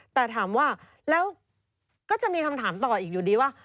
แต่ถามว่าแล้วก็จะมีคำถามต่ออีกอยู่ดีว่า